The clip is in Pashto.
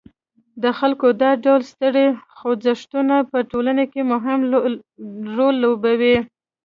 د خلکو دا ډول ستر خوځښتونه په ټولنه کې مهم رول لوبوي.